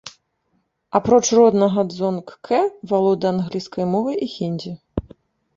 Апроч роднага дзонг-кэ, валодае англійскай мовай і хіндзі.